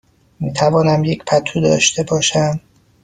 می توانم یک پتو داشته باشم؟